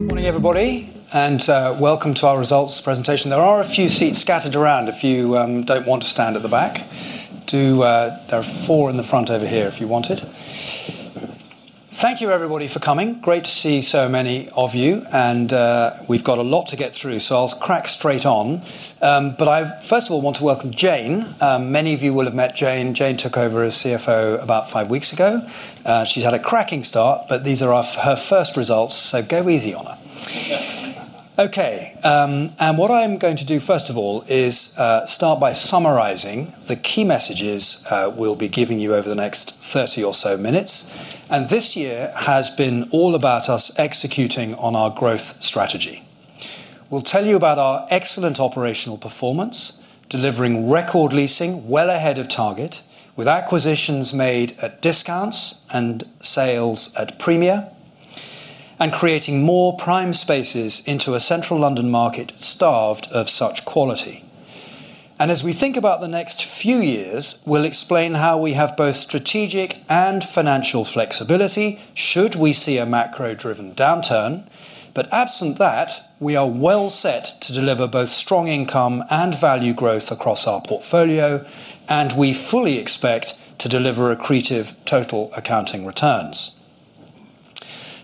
Good morning, everybody. Welcome to our results presentation. There are a few seats scattered around if you don't want to stand at the back. There are four in the front over here if you wanted. Thank you, everybody, for coming. Great to see so many of you. We've got a lot to get through, so I'll crack straight on. I first of all want to welcome Jayne. Many of you will have met Jayne. Jayne took over as CFO about five weeks ago. She's had a cracking start, but these are her first results, so go easy on her. Okay. What I'm going to do, first of all, is start by summarizing the key messages we'll be giving you over the next 30 or so minutes. This year has been all about us executing on our growth strategy. We'll tell you about our excellent operational performance, delivering record leasing well ahead of target, with acquisitions made at discounts and sales at premium, and creating more prime spaces into a Central London market starved of such quality. As we think about the next few years, we'll explain how we have both strategic and financial flexibility should we see a macro-driven downturn. Absent that, we are well set to deliver both strong income and value growth across our portfolio, and we fully expect to deliver accretive total accounting returns.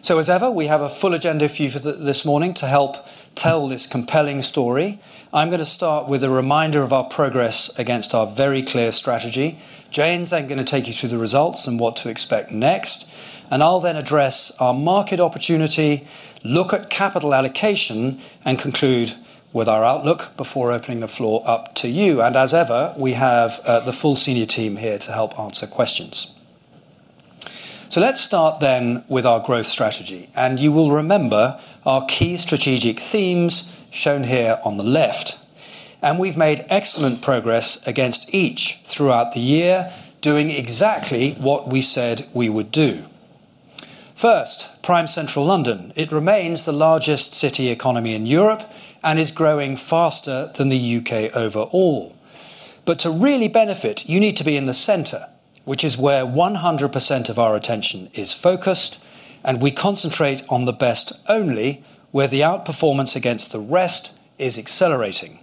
As ever, we have a full agenda for you for this morning to help tell this compelling story. I'm going to start with a reminder of our progress against our very clear strategy. Jayne's then going to take you through the results and what to expect next. I'll then address our market opportunity, look at capital allocation, and conclude with our outlook before opening the floor up to you. As ever, we have the full senior team here to help answer questions. Let's start with our growth strategy. You will remember our key strategic themes shown here on the left. We've made excellent progress against each throughout the year, doing exactly what we said we would do. First, Prime Central London. It remains the largest city economy in Europe and is growing faster than the U.K. overall. To really benefit, you need to be in the center, which is where 100% of our attention is focused, and we concentrate on the best only, where the outperformance against the rest is accelerating.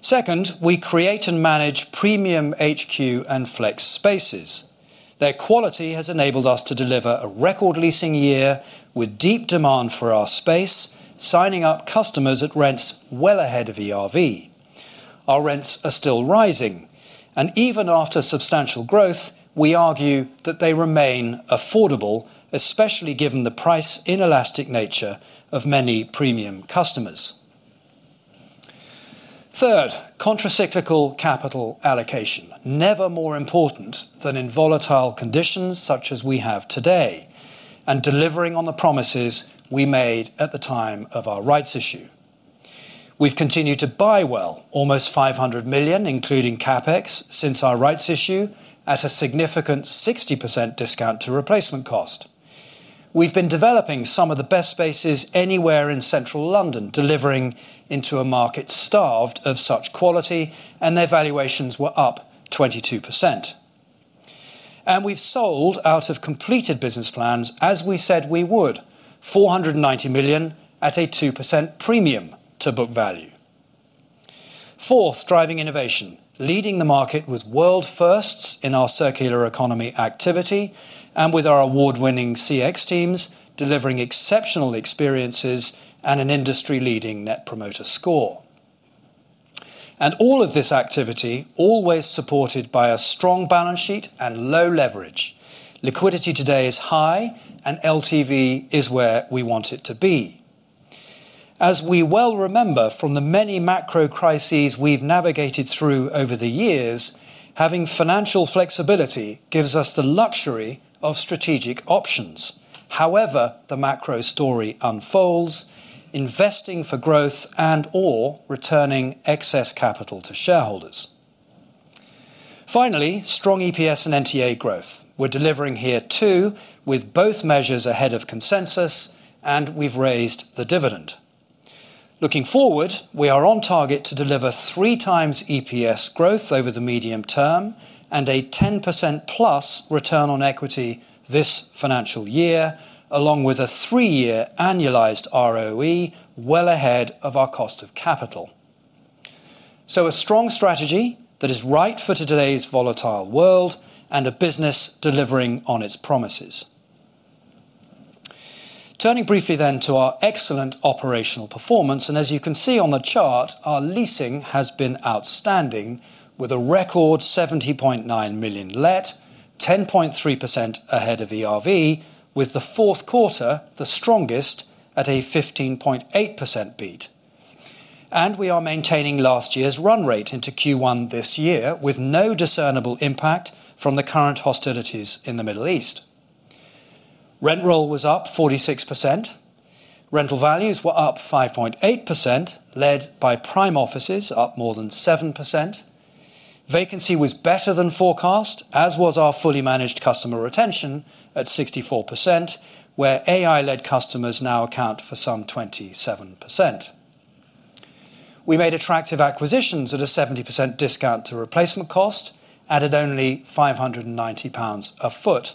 Second, we create and manage premium HQ and flex spaces. Their quality has enabled us to deliver a record leasing year with deep demand for our space, signing up customers at rents well ahead of ERV. Our rents are still rising, and even after substantial growth, we argue that they remain affordable, especially given the price inelastic nature of many premium customers. Third, contracyclical capital allocation. Never more important than in volatile conditions such as we have today, and delivering on the promises we made at the time of our rights issue. We've continued to buy well, almost 500 million, including CapEx, since our rights issue, at a significant 60% discount to replacement cost. We've been developing some of the best spaces anywhere in Central London, delivering into a market starved of such quality, and their valuations were up 22%. We've sold out of completed business plans, as we said we would, 490 million at a 2% premium to book value. Fourth, driving innovation. Leading the market with world firsts in our circular economy activity, and with our award-winning CX teams delivering exceptional experiences and an industry-leading Net Promoter Score. All of this activity always supported by a strong balance sheet and low leverage. Liquidity today is high, and LTV is where we want it to be. As we well remember from the many macro crises we've navigated through over the years, having financial flexibility gives us the luxury of strategic options. However the macro story unfolds, investing for growth and/or returning excess capital to shareholders. Finally, strong EPS and NTA growth. We're delivering here, too, with both measures ahead of consensus, and we've raised the dividend. Looking forward, we are on target to deliver 3x EPS growth over the medium term and a 10%+ return on equity this financial year, along with a three-year annualized ROE well ahead of our cost of capital. A strong strategy that is right for today's volatile world and a business delivering on its promises. Turning briefly then to our excellent operational performance. As you can see on the chart, our leasing has been outstanding, with a record 70.9 million let, 10.3% ahead of ERV, with the fourth quarter the strongest at a 15.8% beat. We are maintaining last year's run rate into Q1 this year, with no discernible impact from the current hostilities in the Middle East. Rent roll was up 46%. Rental values were up 5.8%, led by Prime offices, up more than 7%. Vacancy was better than forecast, as was our fully managed customer retention at 64%, where AI-led customers now account for some 27%. We made attractive acquisitions at a 70% discount to replacement cost, added only 590 pounds per sq ft,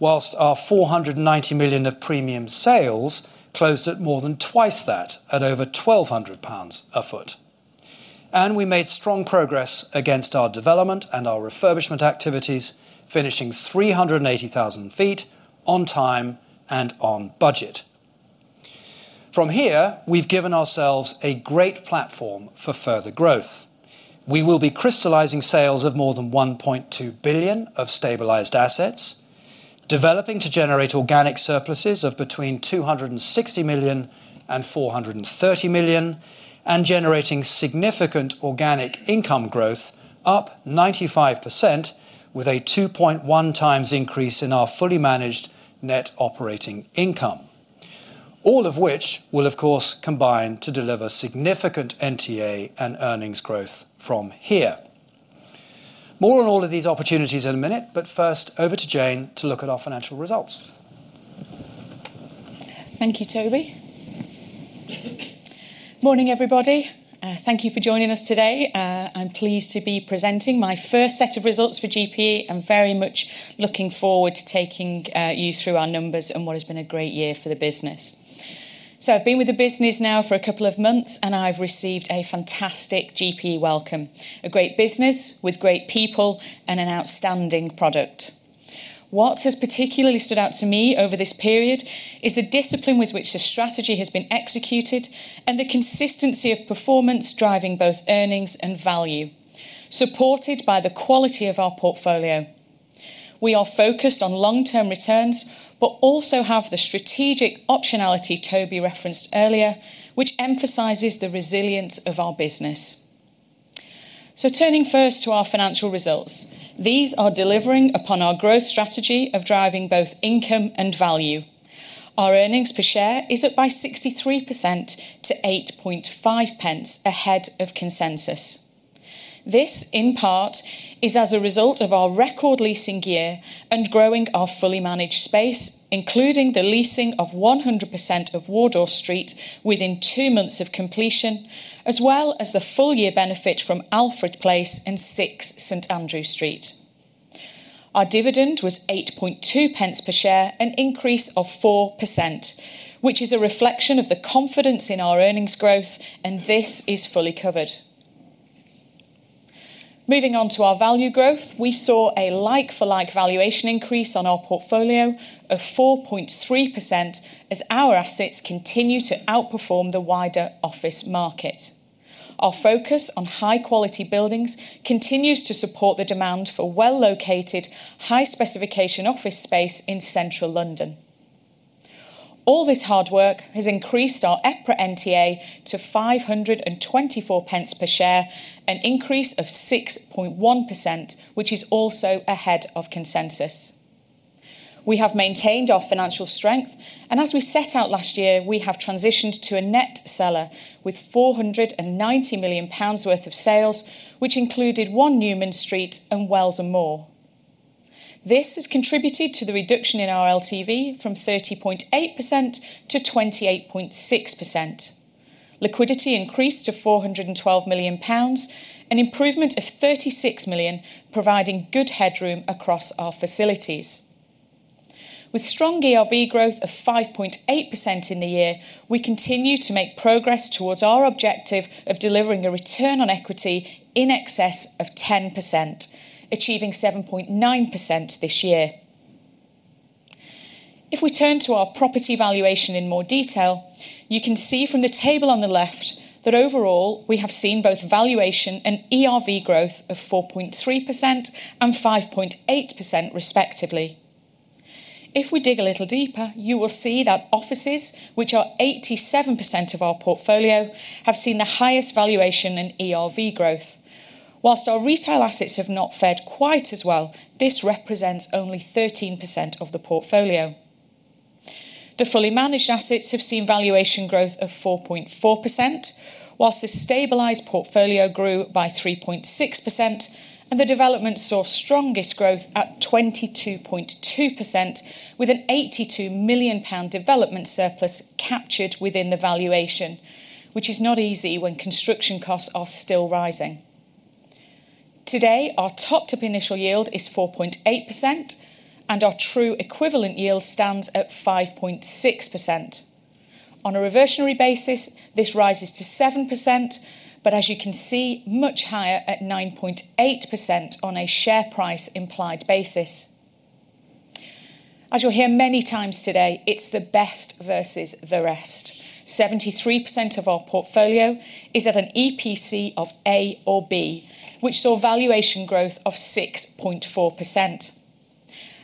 whilst our 490 million of premium sales closed at more than twice that, at over 1,200 pounds per sq ft. We made strong progress against our development and our refurbishment activities, finishing 380,000 sq ft on time and on budget. From here, we've given ourselves a great platform for further growth. We will be crystallizing sales of more than 1.2 billion of stabilized assets, developing to generate organic surpluses of between 260 million and 430 million, and generating significant organic income growth up 95%, with a 2.1x increase in our fully managed net operating income. All of which will, of course, combine to deliver significant NTA and earnings growth from here. More on all of these opportunities in a minute. First, over to Jayne to look at our financial results. Thank you, Toby. Morning, everybody. Thank you for joining us today. I'm pleased to be presenting my first set of results for GPE. I'm very much looking forward to taking you through our numbers and what has been a great year for the business. I've been with the business now for a couple of months, and I've received a fantastic GPE welcome. A great business with great people and an outstanding product. What has particularly stood out to me over this period is the discipline with which the strategy has been executed and the consistency of performance driving both earnings and value, supported by the quality of our portfolio. We are focused on long-term returns, also have the strategic optionality Toby referenced earlier, which emphasizes the resilience of our business. Turning first to our financial results. These are delivering upon our growth strategy of driving both income and value. Our earnings per share is up by 63% to 0.085 ahead of consensus. This, in part, is as a result of our record leasing year and growing our fully managed space, including the leasing of 100% of Wardour Street within two months of completion, as well as the full year benefit from Alfred Place and 6 St. Andrew Street. Our dividend was 0.082 per share, an increase of 4%, which is a reflection of the confidence in our earnings growth, and this is fully covered. Moving on to our value growth. We saw a like-for-like valuation increase on our portfolio of 4.3% as our assets continue to outperform the wider office market. Our focus on high-quality buildings continues to support the demand for well-located, high-specification office space in Central London. All this hard work has increased our EPRA NTA to 5.24 per share, an increase of 6.1%, which is also ahead of consensus. We have maintained our financial strength, and as we set out last year, we have transitioned to a net seller with 490 million pounds worth of sales, which included 1 Newman Street and Wells Mews. This has contributed to the reduction in our LTV from 30.8% to 28.6%. Liquidity increased to 412 million pounds, an improvement of 36 million, providing good headroom across our facilities. With strong ERV growth of 5.8% in the year, we continue to make progress towards our objective of delivering a return on equity in excess of 10%, achieving 7.9% this year. We turn to our property valuation in more detail, you can see from the table on the left that overall, we have seen both valuation and ERV growth of 4.3% and 5.8% respectively. We dig a little deeper, you will see that offices, which are 87% of our portfolio, have seen the highest valuation in ERV growth. Whilst our retail assets have not fared quite as well, this represents only 13% of the portfolio. The fully managed assets have seen valuation growth of 4.4%, whilst the stabilized portfolio grew by 3.6%, and the development saw strongest growth at 22.2% with a 82 million pound development surplus captured within the valuation, which is not easy when construction costs are still rising. Today, our topped-up initial yield is 4.8%, and our true equivalent yield stands at 5.6%. On a reversionary basis, this rises to 7%. As you can see, much higher at 9.8% on a share price implied basis. As you'll hear many times today, it's the best versus the rest. 73% of our portfolio is at an EPC of A or B, which saw valuation growth of 6.4%.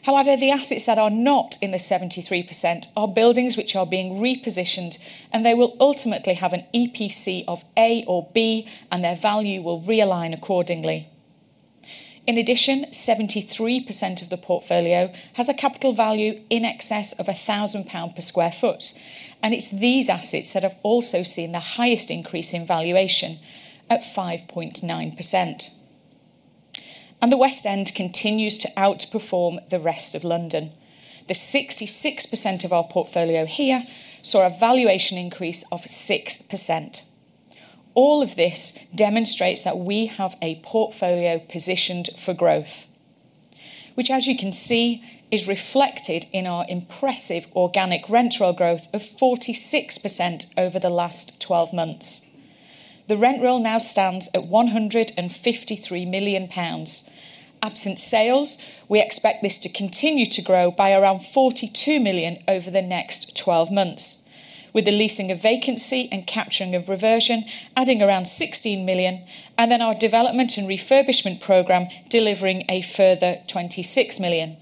However, the assets that are not in the 73% are buildings which are being repositioned, and they will ultimately have an EPC of A or B, and their value will realign accordingly. In addition, 73% of the portfolio has a capital value in excess of 1,000 pound per sq ft. It's these assets that have also seen the highest increase in valuation at 5.9%. The West End continues to outperform the rest of London. The 66% of our portfolio here saw a valuation increase of 6%. All of this demonstrates that we have a portfolio positioned for growth, which, as you can see, is reflected in our impressive organic rent roll growth of 46% over the last 12 months. The rent roll now stands at 153 million pounds. Absent sales, we expect this to continue to grow by around 42 million over the next 12 months, with the leasing of vacancy and capturing of reversion adding around 16 million, and then our development and refurbishment program delivering a further 26 million.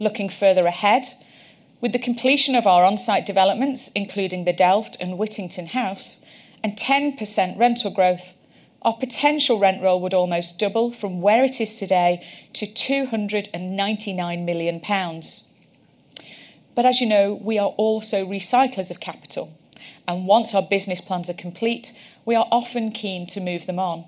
Looking further ahead, with the completion of our on-site developments, including The Delft and Whittington House, and 10% rental growth, our potential rent roll would almost double from where it is today to 299 million pounds. As you know, we are also recyclers of capital, and once our business plans are complete, we are often keen to move them on.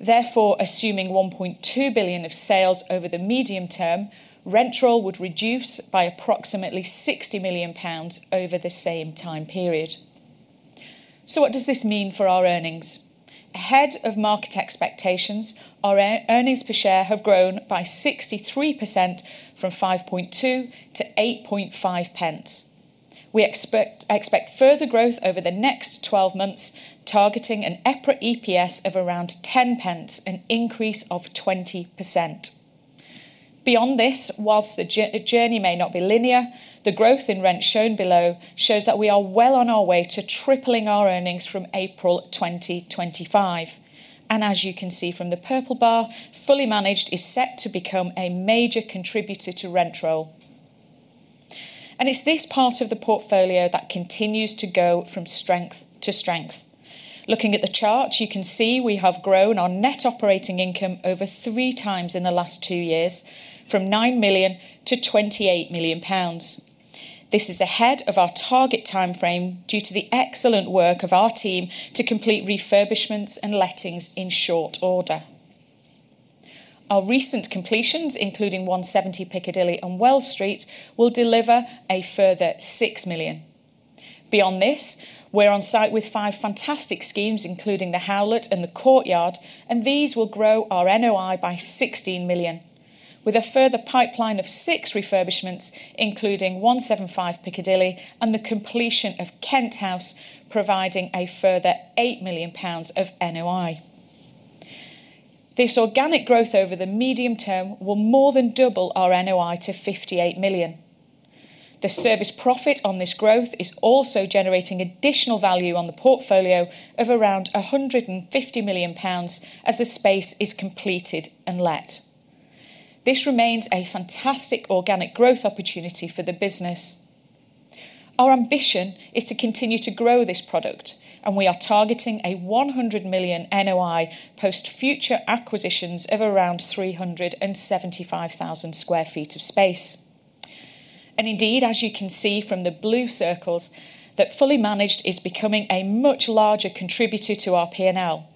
Assuming 1.2 billion of sales over the medium term, rent roll would reduce by approximately 60 million pounds over the same time period. What does this mean for our earnings? Ahead of market expectations, our earnings per share have grown by 63%, from 0.052-0.085. We expect further growth over the next 12 months, targeting an EPRA EPS of around 0.10, an increase of 20%. Beyond this, whilst the journey may not be linear, the growth in rent shown below shows that we are well on our way to tripling our earnings from April 2025. As you can see from the purple bar, fully managed is set to become a major contributor to rent roll. It's this part of the portfolio that continues to go from strength to strength. Looking at the charts, you can see we have grown our net operating income over 3x in the last two years, from 9 million to 28 million pounds. This is ahead of our target timeframe due to the excellent work of our team to complete refurbishments and lettings in short order. Our recent completions, including 170 Piccadilly and Wells Street, will deliver a further 6 million. Beyond this, we're on-site with five fantastic schemes, including The Howlett and The Courtyard. These will grow our NOI by 16 million, with a further pipeline of six refurbishments, including 175 Piccadilly and the completion of Kent House, providing a further 8 million pounds of NOI. This organic growth over the medium term will more than double our NOI to 58 million. The service profit on this growth is also generating additional value on the portfolio of around 150 million pounds as the space is completed and let. This remains a fantastic organic growth opportunity for the business. Our ambition is to continue to grow this product, we are targeting a 100 million NOI post future acquisitions of around 375,000 sq ft of space. Indeed, as you can see from the blue circles, that fully managed is becoming a much larger contributor to our P&L,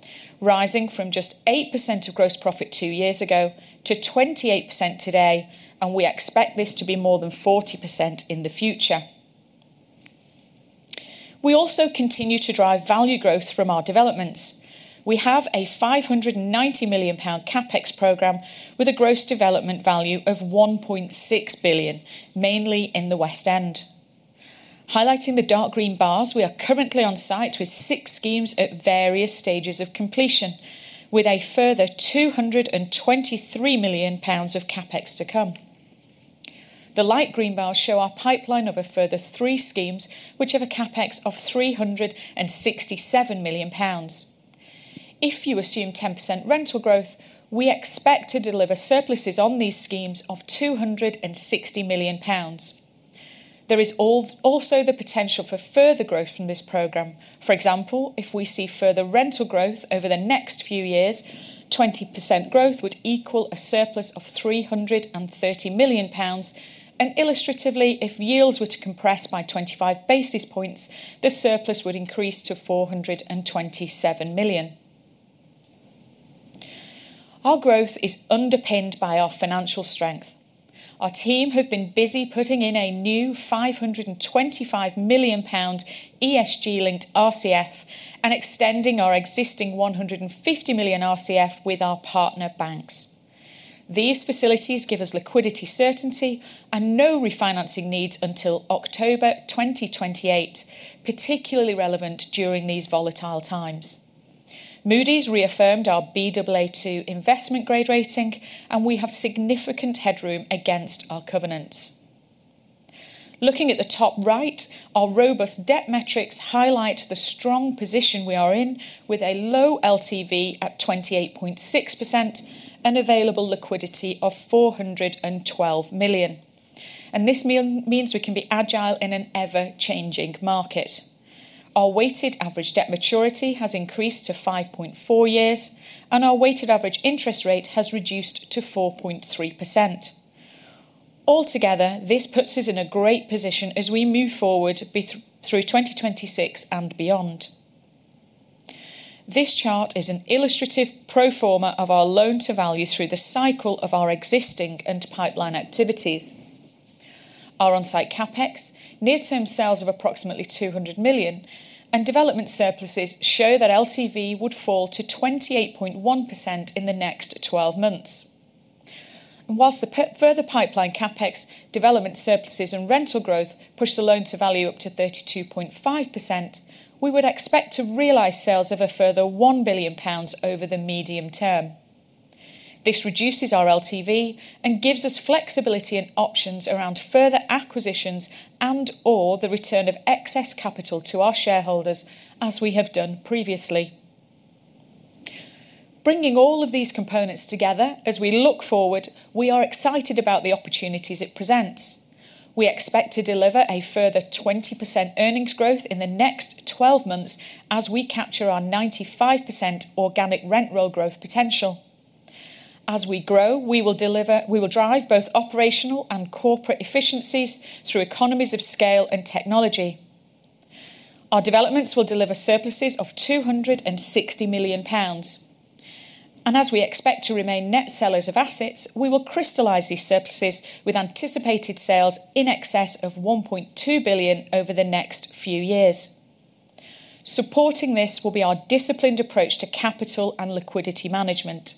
rising from just 8% of gross profit two years ago to 28% today, and we expect this to be more than 40% in the future. We also continue to drive value growth from our developments. We have a 590 million pound CapEx program with a gross development value of 1.6 billion, mainly in the West End. Highlighting the dark green bars, we are currently on site with six schemes at various stages of completion, with a further 223 million pounds of CapEx to come. The light green bars show our pipeline of a further three schemes, which have a CapEx of 367 million pounds. If you assume 10% rental growth, we expect to deliver surpluses on these schemes of 260 million pounds. There is also the potential for further growth from this program. For example, if we see further rental growth over the next few years, 20% growth would equal a surplus of 330 million pounds. Illustratively, if yields were to compress by 25 basis points, the surplus would increase to 427 million. Our growth is underpinned by our financial strength. Our team have been busy putting in a new 525 million pound ESG-linked RCF and extending our existing 150 million RCF with our partner banks. These facilities give us liquidity certainty and no refinancing needs until October 2028, particularly relevant during these volatile times. Moody's reaffirmed our Baa2 investment grade rating, and we have significant headroom against our covenants. Looking at the top right, our robust debt metrics highlight the strong position we are in with a low LTV at 28.6% and available liquidity of 412 million. This means we can be agile in an ever-changing market. Our weighted average debt maturity has increased to 5.4 years, and our weighted average interest rate has reduced to 4.3%. Altogether, this puts us in a great position as we move forward through 2026 and beyond. This chart is an illustrative pro forma of our loan-to-value through the cycle of our existing and pipeline activities. Our onsite CapEx, near-term sales of approximately 200 million, and development surpluses show that LTV would fall to 28.1% in the next 12 months. Whilst the further pipeline CapEx, development surpluses, and rental growth push the loan-to-value up to 32.5%, we would expect to realize sales of a further 1 billion pounds over the medium term. This reduces our LTV and gives us flexibility and options around further acquisitions and/or the return of excess capital to our shareholders, as we have done previously. Bringing all of these components together, as we look forward, we are excited about the opportunities it presents. We expect to deliver a further 20% earnings growth in the next 12 months, as we capture our 95% organic rent roll growth potential. As we grow, we will drive both operational and corporate efficiencies through economies of scale and technology. Our developments will deliver surpluses of 260 million pounds. As we expect to remain net sellers of assets, we will crystallize these surpluses with anticipated sales in excess of 1.2 billion over the next few years. Supporting this will be our disciplined approach to capital and liquidity management.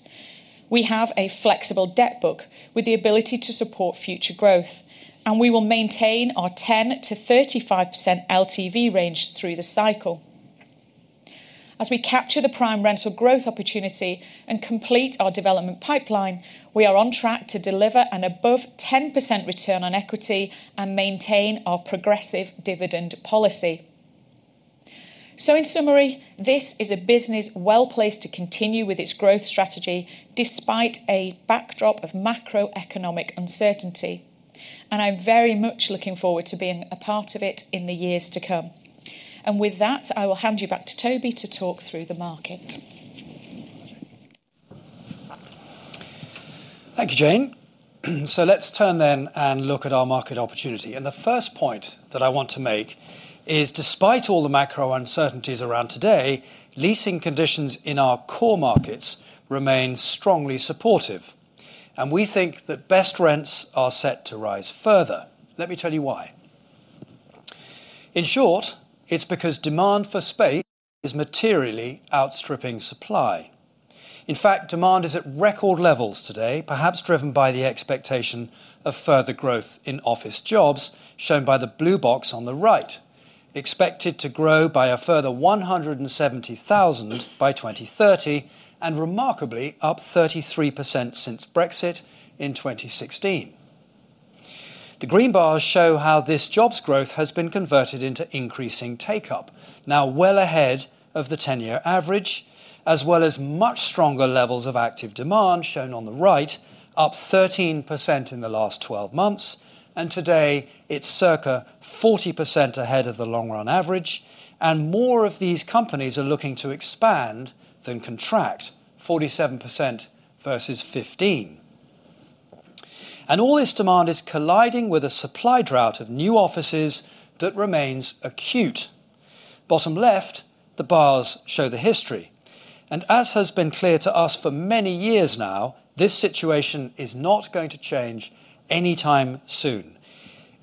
We have a flexible debt book with the ability to support future growth, and we will maintain our 10%-35% LTV range through the cycle. As we capture the prime rental growth opportunity and complete our development pipeline, we are on track to deliver an above 10% return on equity and maintain our progressive dividend policy. In summary, this is a business well-placed to continue with its growth strategy despite a backdrop of macroeconomic uncertainty, and I'm very much looking forward to being a part of it in the years to come. With that, I will hand you back to Toby to talk through the market. Thank you, Jayne. Let's turn and look at our market opportunity. The first point that I want to make is despite all the macro uncertainties around today, leasing conditions in our core markets remain strongly supportive, and we think that best rents are set to rise further. Let me tell you why. In short, it's because demand for space is materially outstripping supply. In fact, demand is at record levels today, perhaps driven by the expectation of further growth in office jobs, shown by the blue box on the right, expected to grow by a further 170,000 by 2030, and remarkably, up 33% since Brexit in 2016. The green bars show how this jobs growth has been converted into increasing take-up, now well ahead of the 10-year average, as well as much stronger levels of active demand, shown on the right, up 13% in the last 12 months. Today, it's circa 40% ahead of the long-run average. More of these companies are looking to expand than contract, 47% versus 15%. All this demand is colliding with a supply drought of new offices that remains acute. Bottom left, the bars show the history, and as has been clear to us for many years now, this situation is not going to change anytime soon.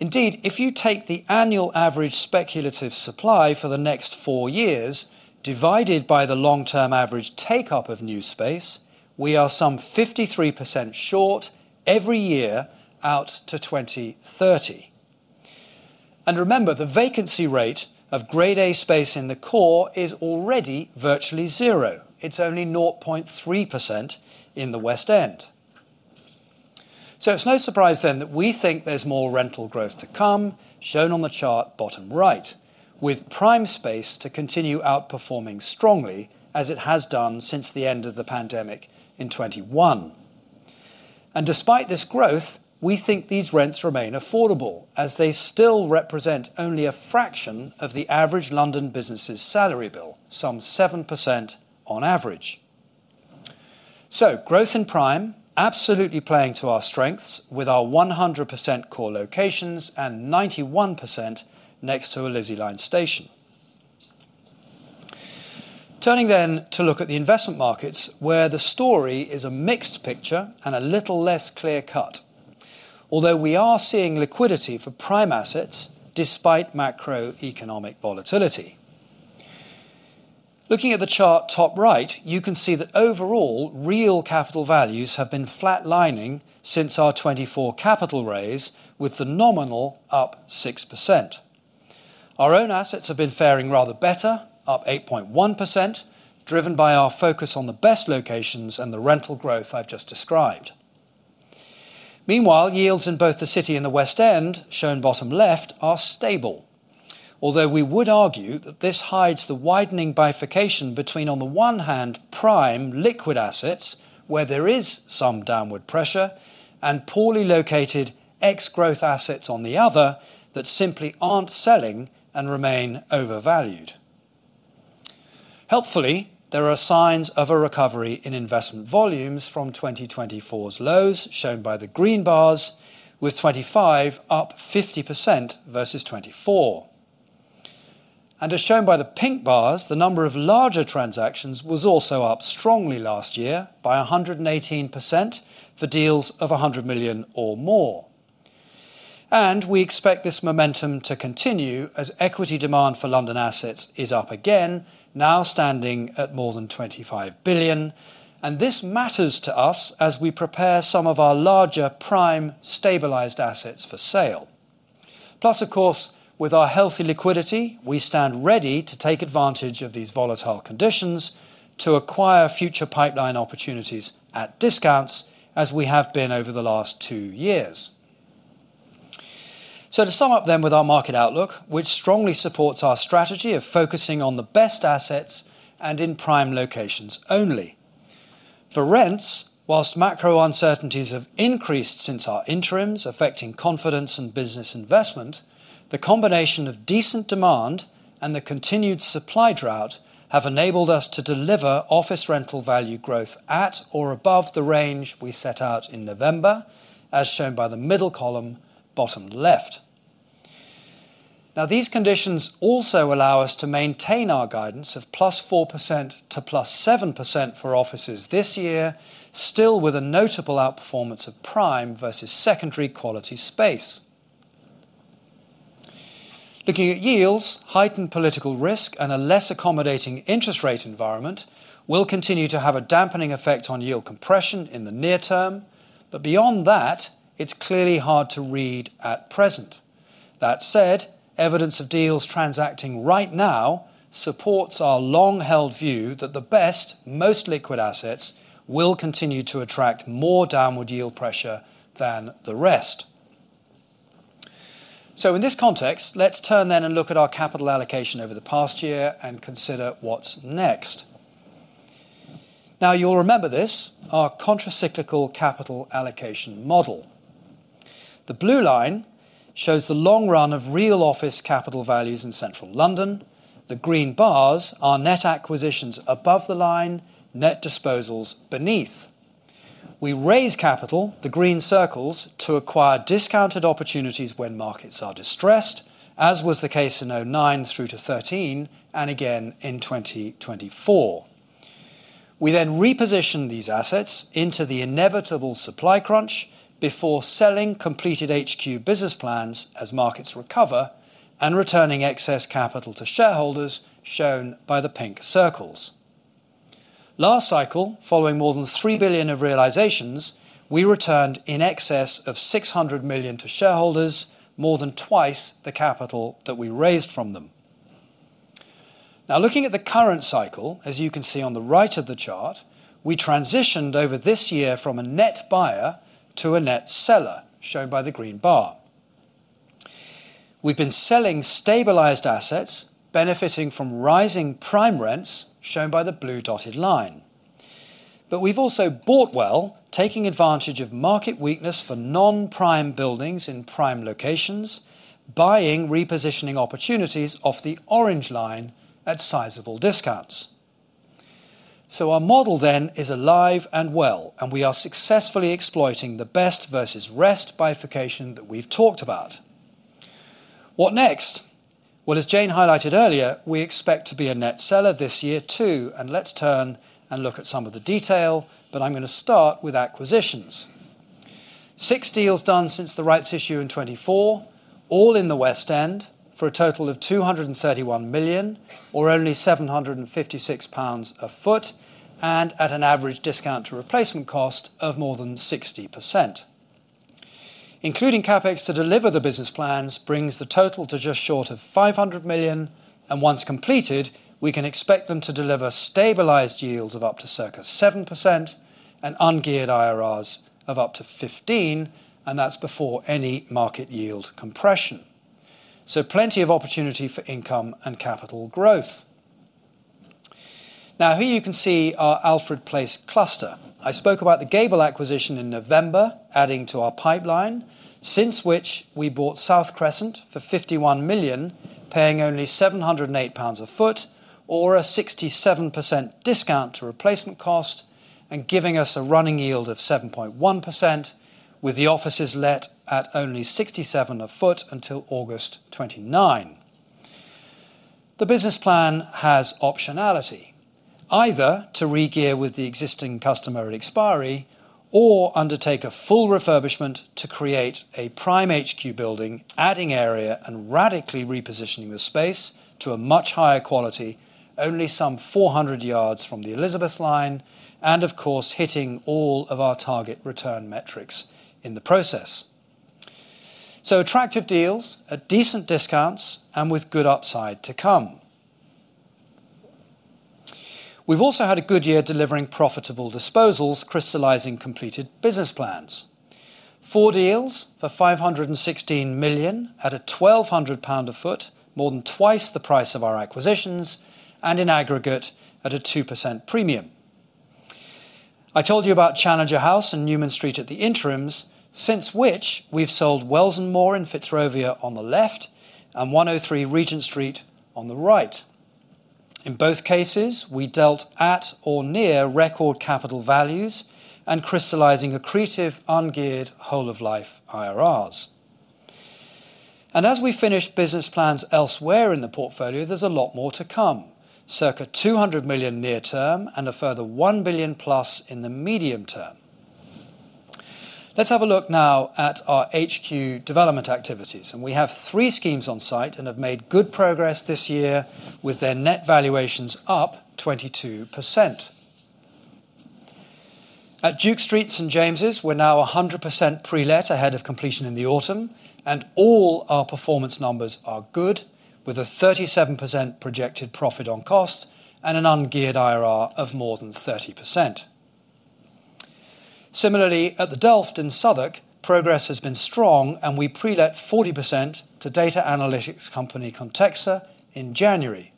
Indeed, if you take the annual average speculative supply for the next four years, divided by the long-term average take-up of new space, we are some 53% short every year out to 2030. Remember, the vacancy rate of Grade A space in the core is already virtually 0. It's only 0.3% in the West End. It's no surprise then that we think there's more rental growth to come, shown on the chart bottom right, with prime space to continue outperforming strongly as it has done since the end of the pandemic in 2021. Despite this growth, we think these rents remain affordable, as they still represent only a fraction of the average London business' salary bill, some 7% on average. Growth in prime, absolutely playing to our strengths with our 100% core locations and 91% next to an Elizabeth line station. Turning then to look at the investment markets, where the story is a mixed picture and a little less clear-cut. We are seeing liquidity for prime assets despite macroeconomic volatility. Looking at the chart top right, you can see that overall, real capital values have been flatlining since our 2024 capital raise, with the nominal up 6%. Our own assets have been faring rather better, up 8.1%, driven by our focus on the best locations and the rental growth I've just described. Meanwhile, yields in both the City and the West End, shown bottom left, are stable. Although we would argue that this hides the widening bifurcation between, on the one hand, prime liquid assets, where there is some downward pressure, and poorly located ex-growth assets on the other, that simply aren't selling and remain overvalued. Helpfully, there are signs of a recovery in investment volumes from 2024's lows, shown by the green bars, with 2025 up 50% versus 2024. As shown by the pink bars, the number of larger transactions was also up strongly last year by 118% for deals of 100 million or more. We expect this momentum to continue as equity demand for London assets is up again, now standing at more than 25 billion. This matters to us as we prepare some of our larger prime stabilized assets for sale. Plus, of course, with our healthy liquidity, we stand ready to take advantage of these volatile conditions to acquire future pipeline opportunities at discounts, as we have been over the last two years. To sum up then with our market outlook, which strongly supports our strategy of focusing on the best assets and in prime locations only. For rents, whilst macro uncertainties have increased since our interims, affecting confidence in business investment, the combination of decent demand and the continued supply drought have enabled us to deliver office rental value growth at or above the range we set out in November, as shown by the middle column, bottom left. These conditions also allow us to maintain our guidance of +4% to +7% for offices this year, still with a notable outperformance of prime versus secondary quality space. Looking at yields, heightened political risk, and a less accommodating interest rate environment will continue to have a dampening effect on yield compression in the near term, beyond that, it's clearly hard to read at present. That said, evidence of deals transacting right now supports our long-held view that the best, most liquid assets will continue to attract more downward yield pressure than the rest. In this context, let's turn and look at our capital allocation over the past year and consider what's next. You'll remember this, our contracyclical capital allocation model. The blue line shows the long run of real office capital values in Central London. The green bars are net acquisitions above the line, net disposals beneath. We raise capital, the green circles, to acquire discounted opportunities when markets are distressed, as was the case in 2009 through to 2013, and again in 2024. We then reposition these assets into the inevitable supply crunch before selling completed HQ business plans as markets recover and returning excess capital to shareholders, shown by the pink circles. Last cycle, following more than 3 billion of realizations, we returned in excess of 600 million to shareholders, more than twice the capital that we raised from them. Looking at the current cycle, as you can see on the right of the chart, we transitioned over this year from a net buyer to a net seller, shown by the green bar. We've been selling stabilized assets, benefiting from rising prime rents, shown by the blue dotted line. We've also bought well, taking advantage of market weakness for non-prime buildings in prime locations, buying repositioning opportunities off the orange line at sizable discounts. Our model then is alive and well, and we are successfully exploiting the best versus rest bifurcation that we've talked about. What next? As Jayne highlighted earlier, we expect to be a net seller this year too, and let's turn and look at some of the detail, but I'm going to start with acquisitions. Six deals done since the rights issue in 2024, all in the West End, for a total of 231 million, or only 756 pounds per sq ft, and at an average discount to replacement cost of more than 60%. Including CapEx to deliver the business plans brings the total to just short of 500 million, and once completed, we can expect them to deliver stabilized yields of up to circa 7% and ungeared IRRs of up to 15%, and that's before any market yield compression. Plenty of opportunity for income and capital growth. Now, here you can see our Alfred Place cluster. I spoke about The Gable acquisition in November, adding to our pipeline, since which we bought South Crescent for 51 million, paying only 708 pounds per sq ft or a 67% discount to replacement cost and giving us a running yield of 7.1%, with the offices let at only 67 per sq ft until August 2029. The business plan has optionality, either to regear with the existing customer at expiry or undertake a full refurbishment to create a prime HQ building, adding area and radically repositioning the space to a much higher quality, only some 400 yards from the Elizabeth line and, of course, hitting all of our target return metrics in the process. Attractive deals at decent discounts and with good upside to come. We've also had a good year delivering profitable disposals crystallizing completed business plans. Four deals for 516 million at a 1,200 pound per sq ft, more than twice the price of our acquisitions, and in aggregate at a 2% premium. I told you about Challenger House in Newman Street at the interims, since which we've sold wells&more in Fitzrovia on the left, and 103 Regent Street on the right. In both cases, we dealt at or near record capital values and crystallizing accretive, ungeared whole of life IRRs. As we finish business plans elsewhere in the portfolio, there's a lot more to come, circa 200 million near term and a further 1 billion+ in the medium term. Let's have a look now at our HQ development activities. We have three schemes on site and have made good progress this year with their net valuations up 22%. At Duke Street, St James's, we're now 100% pre-let ahead of completion in the autumn, and all our performance numbers are good, with a 37% projected profit on cost and an ungeared IRR of more than 30%. Similarly, at The Delft in Southwark, progress has been strong and we pre-let 40% to data analytics company Quantexa in January.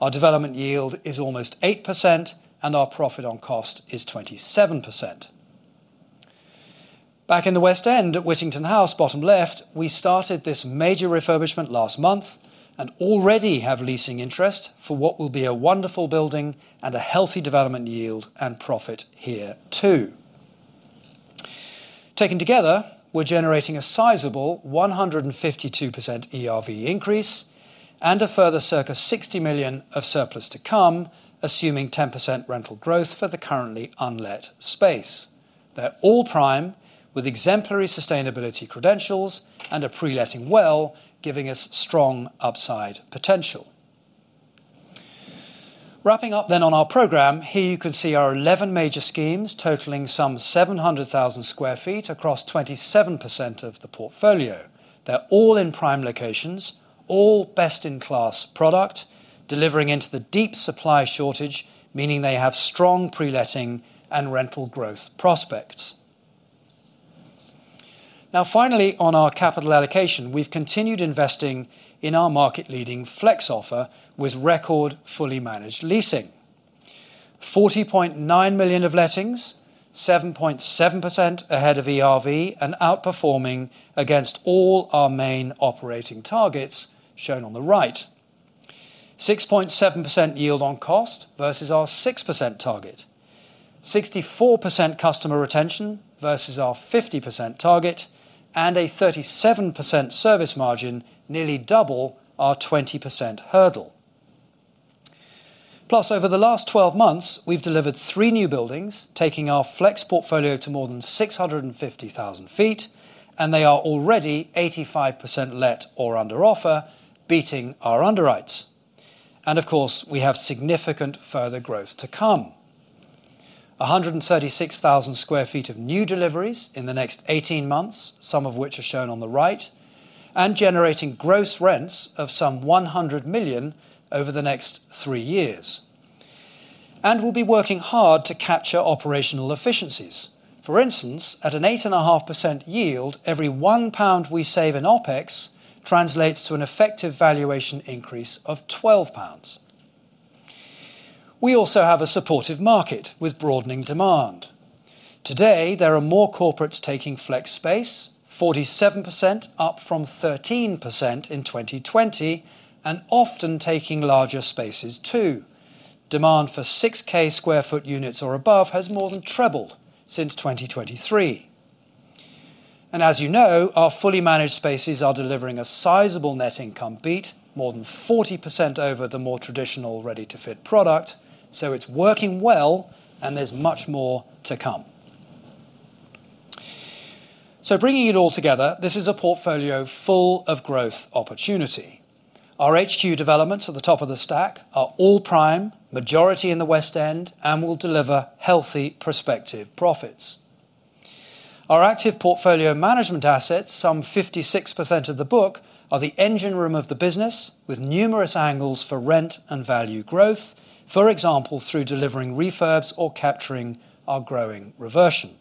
Our development yield is almost 8% and our profit on cost is 27%. Back in the West End at Whittington House, bottom left, we started this major refurbishment last month and already have leasing interest for what will be a wonderful building and a healthy development yield and profit here, too. Taken together, we're generating a sizable 152% ERV increase and a further circa 60 million of surplus to come, assuming 10% rental growth for the currently unlet space. They're all prime with exemplary sustainability credentials and are pre-letting well, giving us strong upside potential. Wrapping up on our program, here you can see our 11 major schemes totaling some 700,000 sq ft across 27% of the portfolio. They're all in prime locations, all best-in-class product, delivering into the deep supply shortage, meaning they have strong pre-letting and rental growth prospects. Finally, on our capital allocation, we've continued investing in our market-leading flex offer with record fully managed leasing. 40.9 million of lettings, 7.7% ahead of ERV and outperforming against all our main operating targets shown on the right. 6.7% yield on cost versus our 6% target, 64% customer retention versus our 50% target, and a 37% service margin, nearly double our 20% hurdle. Over the last 12 months, we've delivered three new buildings, taking our flex portfolio to more than 650,000 sq ft, and they are already 85% let or under offer, beating our underwrites. Of course, we have significant further growth to come. 136,000 sq ft of new deliveries in the next 18 months, some of which are shown on the right, and generating gross rents of some 100 million over the next three years. We'll be working hard to capture operational efficiencies. For instance, at an 8.5% yield, every 1 pound we save in OpEx translates to an effective valuation increase of 12 pounds. We also have a supportive market with broadening demand. Today, there are more corporates taking flex space, 47% up from 13% in 2020, and often taking larger spaces, too. Demand for 6,000 sq ft units or above has more than trebled since 2023. As you know, our fully managed spaces are delivering a sizable net income beat, more than 40% over the more traditional ready-to-fit product. It's working well and there's much more to come. Bringing it all together, this is a portfolio full of growth opportunity. Our HQ developments at the top of the stack are all prime, majority in the West End and will deliver healthy prospective profits. Our active portfolio management assets, some 56% of the book, are the engine room of the business, with numerous angles for rent and value growth. For example, through delivering refurbs or capturing our growing reversion.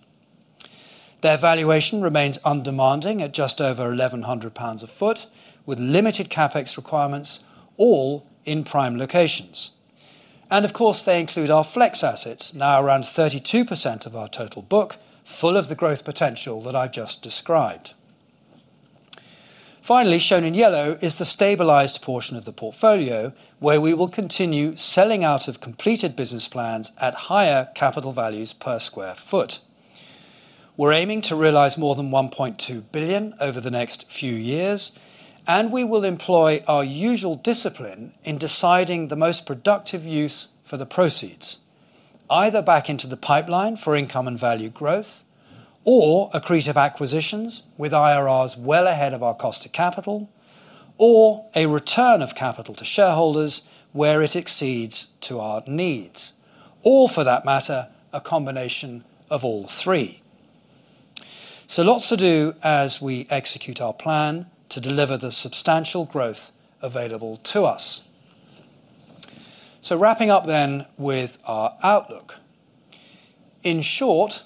Their valuation remains undemanding at just over 1,100 pounds per sq ft, with limited CapEx requirements, all in prime locations. Of course, they include our flex assets, now around 32% of our total book, full of the growth potential that I've just described. Finally, shown in yellow is the stabilized portion of the portfolio where we will continue selling out of completed business plans at higher capital values per square foot. We're aiming to realize more than 1.2 billion over the next few years, and we will employ our usual discipline in deciding the most productive use for the proceeds, either back into the pipeline for income and value growth, or accretive acquisitions with IRRs well ahead of our cost of capital, or a return of capital to shareholders where it exceeds to our needs, or for that matter, a combination of all three. Lots to do as we execute our plan to deliver the substantial growth available to us. Wrapping up then with our outlook. In short,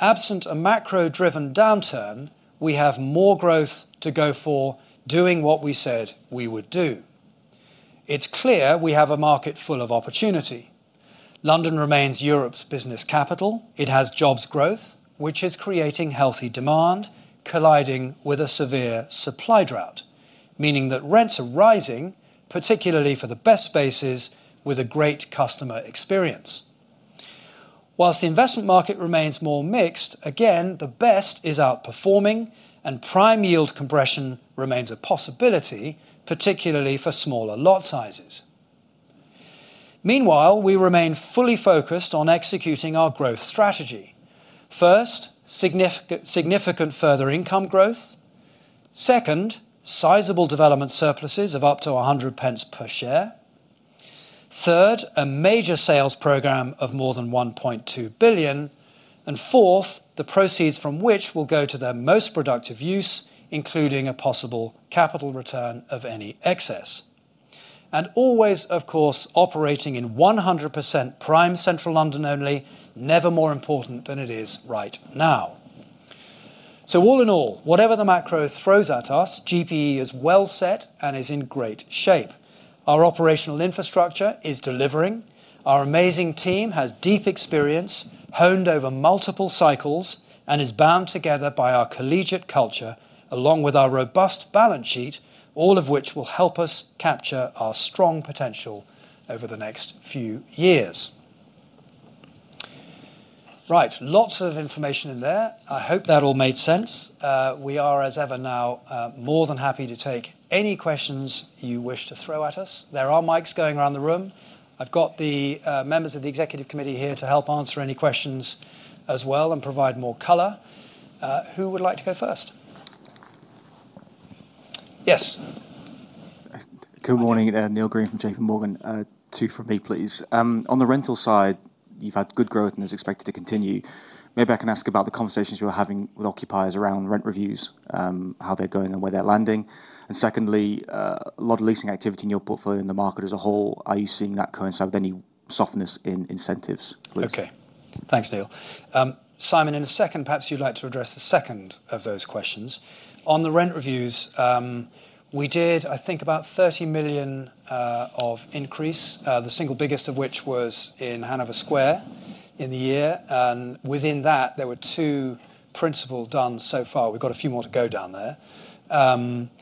absent a macro-driven downturn, we have more growth to go for doing what we said we would do. It's clear we have a market full of opportunity. London remains Europe's business capital. It has jobs growth, which is creating healthy demand, colliding with a severe supply drought, meaning that rents are rising, particularly for the best spaces with a great customer experience. The investment market remains more mixed, again, the best is outperforming and prime yield compression remains a possibility, particularly for smaller lot sizes. Meanwhile, we remain fully focused on executing our growth strategy. First, significant further income growth. Second, sizable development surpluses of up to 1.00 per share. Third, a major sales program of more than 1.2 billion. Fourth, the proceeds from which will go to their most productive use, including a possible capital return of any excess. Always, of course, operating in 100% prime Central London only, never more important than it is right now. All in all, whatever the macro throws at us, GPE is well set and is in great shape. Our operational infrastructure is delivering, our amazing team has deep experience honed over multiple cycles, and is bound together by our collegiate culture, along with our robust balance sheet, all of which will help us capture our strong potential over the next few years. Right. Lots of information in there. I hope that all made sense. We are, as ever now, more than happy to take any questions you wish to throw at us. There are mics going around the room. I've got the members of the executive committee here to help answer any questions as well and provide more color. Who would like to go first? Yes. Good morning. Neil Green from JPMorgan. Two from me, please. On the rental side, you've had good growth and is expected to continue. Maybe I can ask about the conversations you are having with occupiers around rent reviews, how they're going and where they're landing. Secondly, a lot of leasing activity in your portfolio in the market as a whole. Are you seeing that coincide with any softness in incentives, please? Okay. Thanks, Neil. Simon, in a second, perhaps you'd like to address the second of those questions. On the rent reviews, we did, I think, about 30 million of increase, the single biggest of which was in Hanover Square in the year. Within that, there were two principal done so far. We've got a few more to go down there. The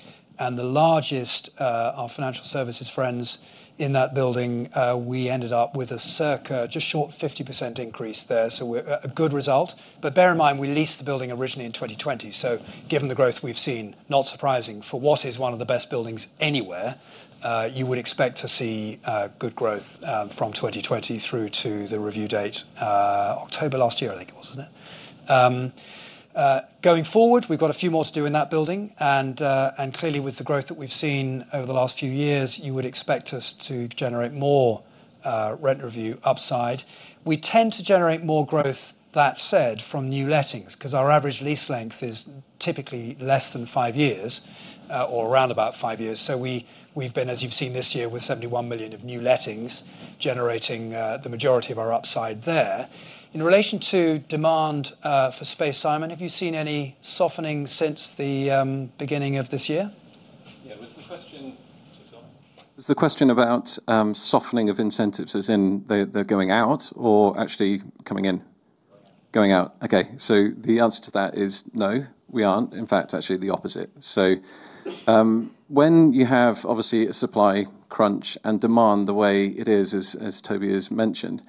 largest, our financial services friends in that building, we ended up with a circa just short 50% increase there, so a good result. Bear in mind, we leased the building originally in 2020, so given the growth we've seen, not surprising. For what is one of the best buildings anywhere, you would expect to see good growth from 2020 through to the review date, October last year, I think it was, isn't it? Going forward, we've got a few more to do in that building. Clearly, with the growth that we've seen over the last few years, you would expect us to generate more rent review upside. We tend to generate more growth, that said, from new lettings, because our average lease length is typically less than 5 years, or around about 5 years. We've been, as you've seen this year, with 71 million of new lettings generating the majority of our upside there. In relation to demand for space, Simon, have you seen any softening since the beginning of this year? Yeah. Was the question about softening of incentives, as in they're going out or actually coming in? Going out. Going out. Okay. The answer to that is no, we aren't. In fact, actually the opposite. When you have, obviously, a supply crunch and demand the way it is, as Toby has mentioned,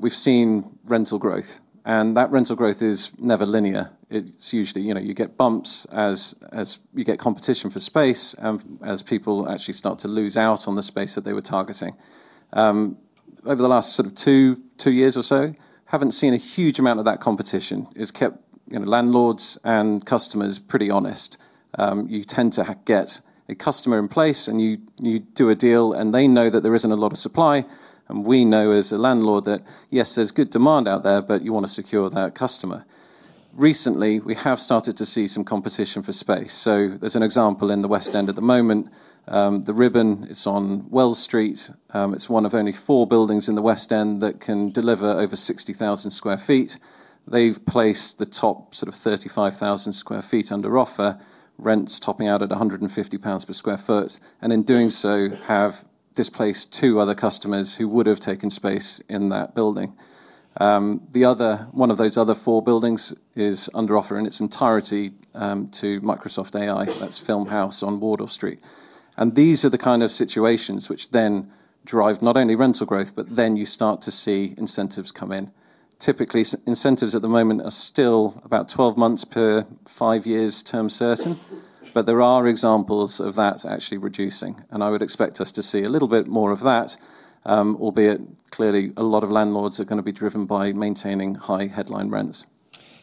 we've seen rental growth. That rental growth is never linear. It's usually you get bumps as you get competition for space, as people actually start to lose out on the space that they were targeting. Over the last sort of two years or so, haven't seen a huge amount of that competition. It's kept landlords and customers pretty honest. You tend to get a customer in place and you do a deal, and they know that there isn't a lot of supply. We know, as a landlord, that, yes, there's good demand out there, but you want to secure that customer. Recently, we have started to see some competition for space. There's an example in the West End at the moment. The Ribbon. It's on Wells Street. It's one of only four buildings in the West End that can deliver over 60,000 sq ft. They've placed the top sort of 35,000 sq ft under offer, rents topping out at 150 pounds per sq ft. In doing so, have displaced two other customers who would have taken space in that building. One of those other four buildings is under offer in its entirety, to Microsoft AI. That's Film House on Wardour Street. These are the kind of situations which then drive not only rental growth, but then you start to see incentives come in. Typically, incentives at the moment are still about 12 months per 5 years term certain, but there are examples of that actually reducing. I would expect us to see a little bit more of that, albeit clearly, a lot of landlords are going to be driven by maintaining high headline rents.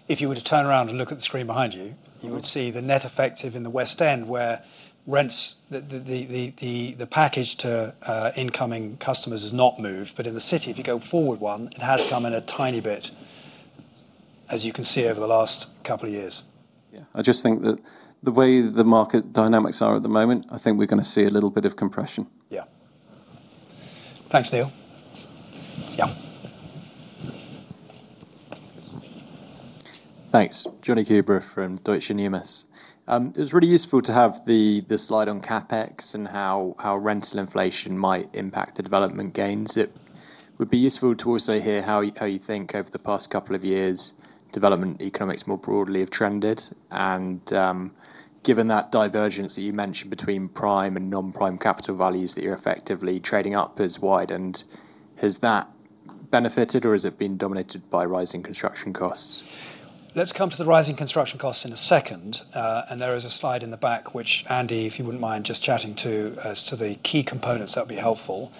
If you were to turn around and look at the screen behind you would see the net effective in the West End, where rents, the package to incoming customers has not moved. In the City, if you go forward one, it has come in a tiny bit, as you can see over the last couple of years. Yeah, I just think that the way the market dynamics are at the moment, I think we're going to see a little bit of compression. Yeah. Thanks, Neil. Yeah. Thanks. Jonny Coubrough from Deutsche Numis. It was really useful to have the slide on CapEx and how rental inflation might impact the development gains. It would be useful to also hear how you think over the past couple of years development economics more broadly have trended. Given that divergence that you mentioned between prime and non-prime capital values that you're effectively trading up has widened, has that benefited or has it been dominated by rising construction costs? Let's come to the rising construction costs in a second. There is a slide in the back, which Andy, if you wouldn't mind just chatting to as to the key components, that'd be helpful.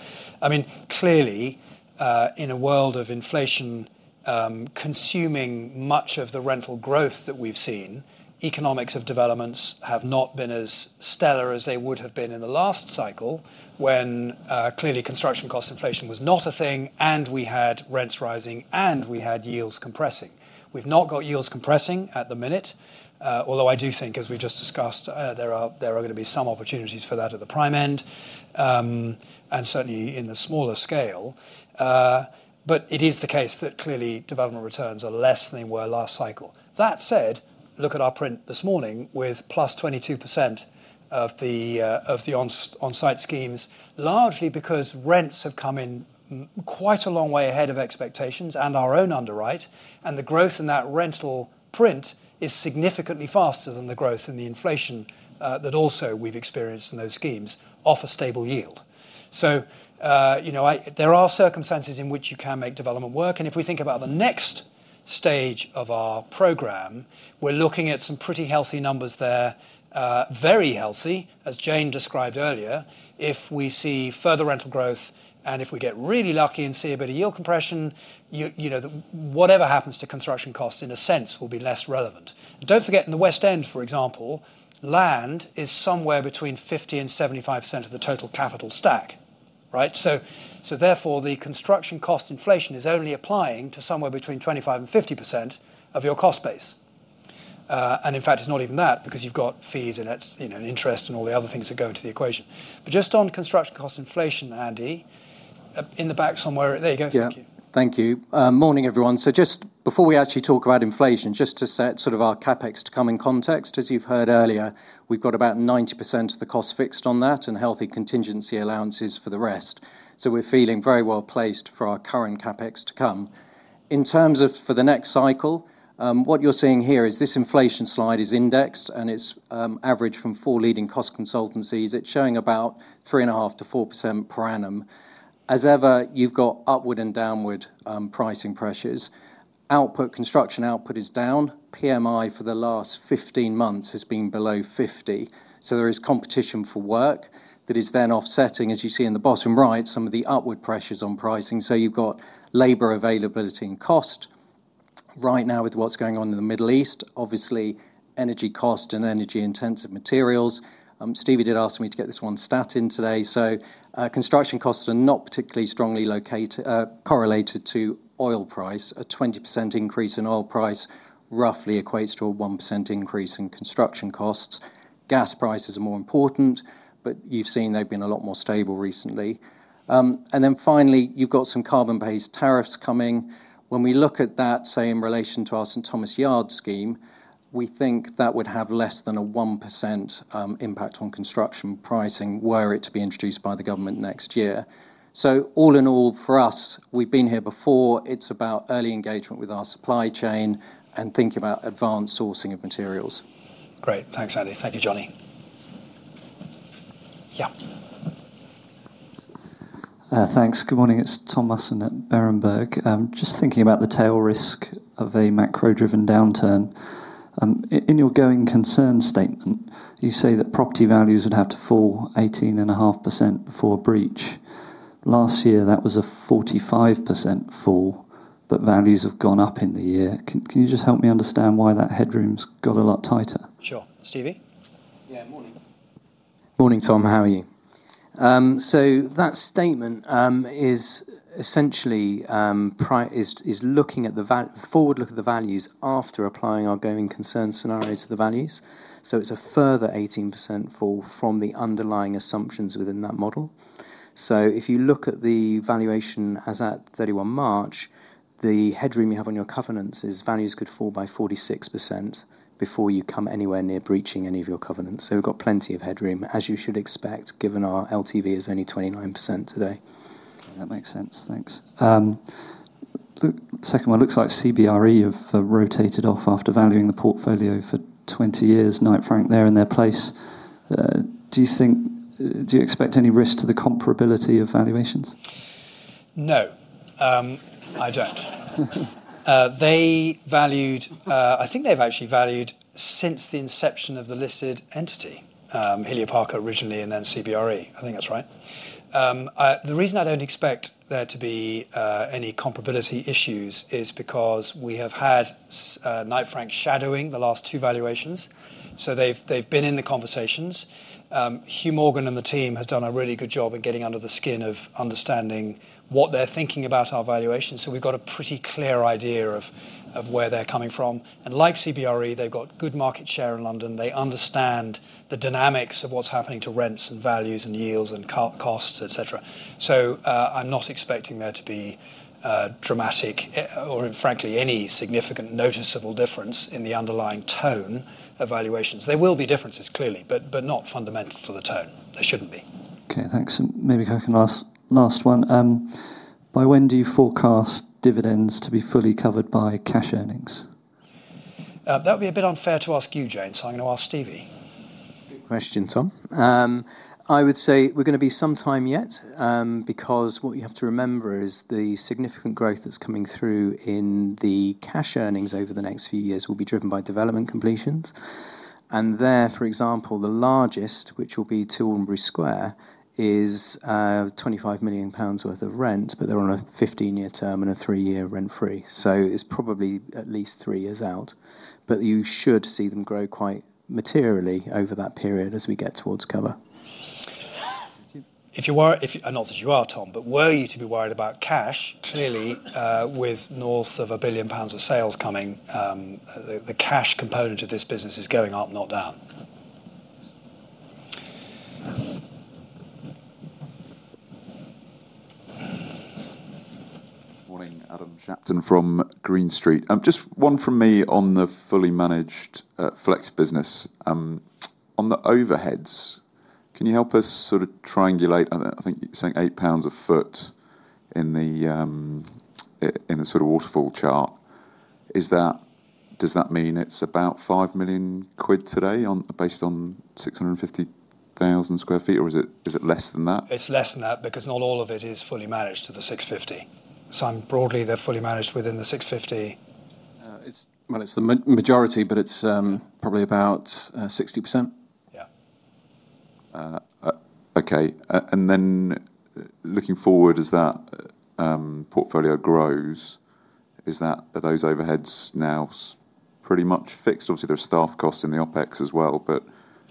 Clearly, in a world of inflation consuming much of the rental growth that we've seen, economics of developments have not been as stellar as they would have been in the last cycle when clearly construction cost inflation was not a thing, and we had rents rising, and we had yields compressing. We've not got yields compressing at the minute. I do think, as we just discussed, there are going to be some opportunities for that at the prime end, and certainly in the smaller scale. It is the case that clearly development returns are less than they were last cycle. That said, look at our print this morning with +22% of the on-site schemes, largely because rents have come in quite a long way ahead of expectations and our own underwrite. The growth in that rental print is significantly faster than the growth in the inflation that also we've experienced in those schemes off a stable yield. There are circumstances in which you can make development work, and if we think about the next stage of our program, we're looking at some pretty healthy numbers there. Very healthy, as Jayne described earlier. If we see further rental growth, and if we get really lucky and see a bit of yield compression, whatever happens to construction costs, in a sense, will be less relevant. Don't forget, in the West End, for example, land is somewhere between 50%-75% of the total capital stack, right? Therefore, the construction cost inflation is only applying to somewhere between 25% and 50% of your cost base. In fact, it's not even that because you've got fees and interest and all the other things that go into the equation. Just on construction cost inflation, Andy. In the back somewhere. There you go. Thank you. Yeah. Thank you. Morning, everyone. Just before we actually talk about inflation, just to set our CapEx to come in context, as you've heard earlier, we've got about 90% of the cost fixed on that and healthy contingency allowances for the rest. We're feeling very well placed for our current CapEx to come. In terms of for the next cycle, what you're seeing here is this inflation slide is indexed, and it's average from 4 leading cost consultancies. It's showing about 3.5%-4% per annum. As ever, you've got upward and downward pricing pressures. Construction output is down. PMI for the last 15 months has been below 50, there is competition for work that is then offsetting, as you see in the bottom right, some of the upward pressures on pricing. You've got labor availability and cost right now with what's going on in the Middle East. Obviously, energy cost and energy-intensive materials. Stevie did ask me to get this one stat in today. Construction costs are not particularly strongly correlated to oil price. A 20% increase in oil price roughly equates to a 1% increase in construction costs. Gas prices are more important, but you've seen they've been a lot more stable recently. Finally, you've got some carbon-based tariffs coming. When we look at that, say, in relation to our St Thomas Yard scheme, we think that would have less than a 1% impact on construction pricing were it to be introduced by the government next year. All in all, for us, we've been here before. It's about early engagement with our supply chain and thinking about advanced sourcing of materials. Great. Thanks, Andy. Thank you, Jonny. Yeah. Thanks. Good morning. It's Tom Musson at Berenberg. Just thinking about the tail risk of a macro-driven downturn. In your going concern statement, you say that property values would have to fall 18.5% before a breach. Last year, that was a 45% fall, but values have gone up in the year. Can you just help me understand why that headroom's got a lot tighter? Sure. Stevie? Yeah, morning. Morning, Tom. How are you? That statement is essentially a forward look at the values after applying our going concern scenario to the values. It's a further 18% fall from the underlying assumptions within that model. If you look at the valuation as at 31 March, the headroom you have on your covenants is values could fall by 46% before you come anywhere near breaching any of your covenants. We've got plenty of headroom, as you should expect, given our LTV is only 29% today. That makes sense. Thanks. The second one looks like CBRE have rotated off after valuing the portfolio for 20 years. Knight Frank, they're in their place. Do you expect any risk to the comparability of valuations? No, I don't. I think they've actually valued since the inception of the listed entity, Healey & Baker originally, and then CBRE. I think that's right. The reason I don't expect there to be any comparability issues is because we have had Knight Frank shadowing the last two valuations, so they've been in the conversations. Hugh Morgan and the team has done a really good job of getting under the skin of understanding what they're thinking about our valuations. We've got a pretty clear idea of where they're coming from. Like CBRE, they've got good market share in London. They understand the dynamics of what's happening to rents and values and yields and costs, et cetera. I'm not expecting there to be dramatic or frankly any significant noticeable difference in the underlying tone of valuations. There will be differences, clearly, but not fundamental to the tone. There shouldn't be. Okay, thanks. Maybe if I can last one. By when do you forecast dividends to be fully covered by cash earnings? That would be a bit unfair to ask you, Jayne, so I'm going to ask Stevie. Good question, Tom. I would say we're going to be some time yet, because what you have to remember is the significant growth that's coming through in the cash earnings over the next few years will be driven by development completions. There, for example, the largest, which will be 200 Gray's Inn Road, is 25 million pounds worth of rent, but they're on a 15-year term and a three-year rent-free. It's probably at least three years out. You should see them grow quite materially over that period as we get towards cover. If you were, and not that you are, Tom, but were you to be worried about cash, clearly, with north of 1 billion pounds of sales coming, the cash component of this business is going up, not down. Morning. Adam Shapton from Green Street. Just one from me on the fully managed flex business. On the overheads, can you help us sort of triangulate, I think you're saying 8 pounds a foot in the waterfall chart? Does that mean it's about 5 million quid today based on 650,000 sq ft, or is it less than that? It's less than that because not all of it is fully managed to the 650. Broadly, they're fully managed within the 650. Well, it's the majority, but it's probably about 60%. Yeah. Okay. Looking forward, as that portfolio grows, are those overheads now pretty much fixed? Obviously, there's staff costs in the OpEx as well,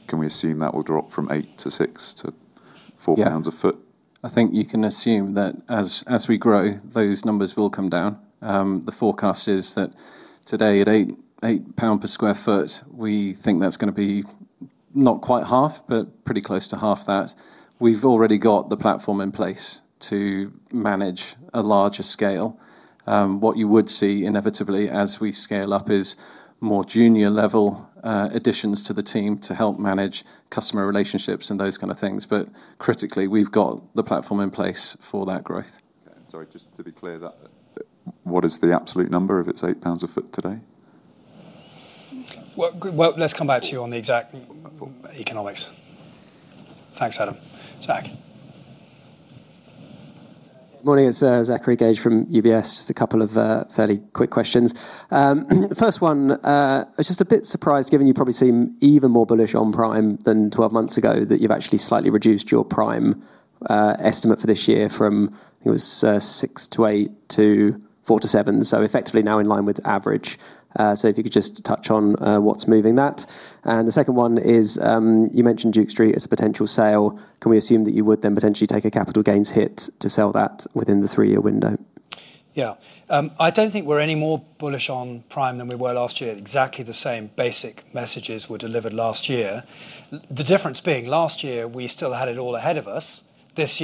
can we assume that will drop from 8 to 6 to 4 pounds per sq ft? I think you can assume that as we grow, those numbers will come down. The forecast is that today, at 8 pound per sq ft, we think that's going to be not quite half, but pretty close to half that. We've already got the platform in place to manage a larger scale. What you would see inevitably as we scale up is more junior level additions to the team to help manage customer relationships and those kind of things. Critically, we've got the platform in place for that growth. Okay. Sorry, just to be clear, what is the absolute number if it's 8 pounds per sq ft today? Well, let's come back to you on the exact economics. Thanks, Adam. Zach. Morning. It is Zachary Gauge from UBS. Just a couple of fairly quick questions. First one, I was just a bit surprised given you probably seem even more bullish on Prime than 12 months ago, that you have actually slightly reduced your Prime estimate for this year from, I think it was 6%-8% to 4%-7%. Effectively now in line with average. If you could just touch on what is moving that. The second one is, you mentioned Duke Street as a potential sale. Can we assume that you would then potentially take a capital gains hit to sell that within the 3-year window? Yeah. I don't think we're any more bullish on Prime than we were last year. Exactly the same basic messages were delivered last year. The difference being last year, we still had it all ahead of us. This